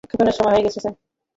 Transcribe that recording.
উৎক্ষেপণের সময় হয়ে এসেছে।